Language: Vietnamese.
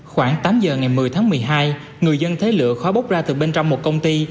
khoảng tám giờ ngày một mươi tháng một mươi hai người dân thế lựa khóa bốc ra từ bên trong một công ty